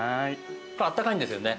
あったかいんですよね？